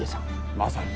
まさに。